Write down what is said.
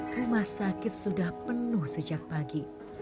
rumah sakit sudah penuh sejak pagi